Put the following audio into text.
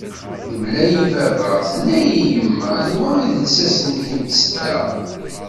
Yemla-yi baba, tenna-yi yemma, d wa i d lsas nekk d tsedda.